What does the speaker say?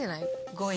５位。